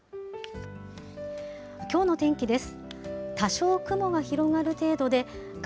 きょうの天気です。